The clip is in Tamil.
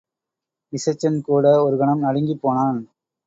இசைச்சன்கூட ஒரு கணம் நடுங்கிப் போனான்.